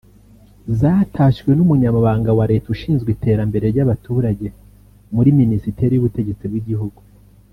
zatashywe n’umunyamabanga wa Leta ushinzwe iterambere ry’abaturage mu Minisiteri y’Ubutegetsi bw’igihugu